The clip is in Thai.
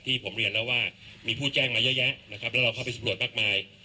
ผมเรียนแล้วว่ามีผู้แจ้งมาเยอะแยะนะครับแล้วเราเข้าไปสำรวจมากมาย